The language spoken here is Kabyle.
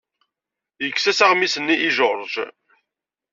Yekkes-as aɣmis-nni i George.